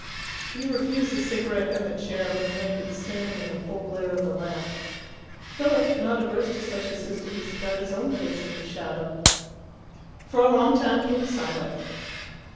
He refused the cigarette and the chair, and remained standing in the full glare of the lamp. Philip, not averse to such assistance, got his own face into shadow. For a long time he was silent.